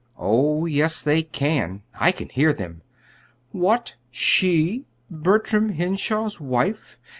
"Oh, yes, they can. I can hear them. 'What, she Bertram Henshaw's wife?